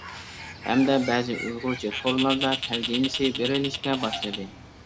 ھەمدە بەزى ئۇيغۇرچە تورلاردا تەرجىمىسى بېرىلىشكە باشلىدى.